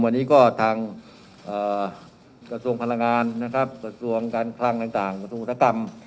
วันนี้ก็ทางกระทรวงพลังงานนะครับกระทรวงการคลังต่างกระทรวงอุตสาหกรรม